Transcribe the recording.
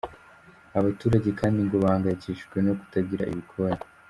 Aba baturage kandi ngo bahangayikishijwe no kutagira ibikoni.